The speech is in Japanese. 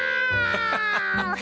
ハハハハハ。